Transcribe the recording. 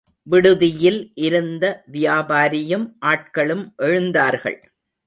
விடுதியில் இருந்த வியாபாரியும் ஆட்களும் எழுந்தார்கள்.